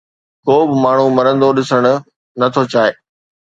ڪو به ماڻهو مرندو ڏسڻ نٿو چاهي